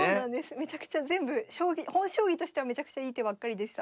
めちゃくちゃ全部本将棋としてはめちゃくちゃいい手ばっかりでした。